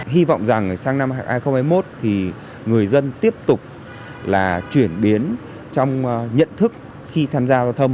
hy vọng rằng sang năm hai nghìn hai mươi một thì người dân tiếp tục là chuyển biến trong nhận thức khi tham gia giao thông